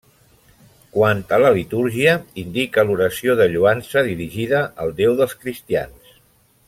Quant a la litúrgia, indica l'oració de lloança dirigida al Déu dels cristians.